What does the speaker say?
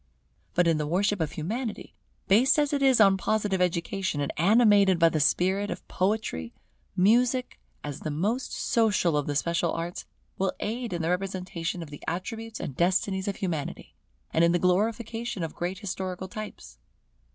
But in the worship of Humanity, based as it is on Positive education, and animated by the spirit of Poetry, Music, as the most social of the special arts, will aid in the representation of the attributes and destinies of Humanity, and in the glorification of great historical types.